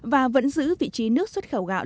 và vẫn giữ vị trí nước xuất khẩu gạo